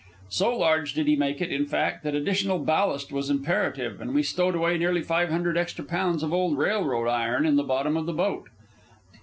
So large did he make it, in fact, that additional ballast was imperative, and we stowed away nearly five hundred extra pounds of old railroad iron in the bottom of the boat.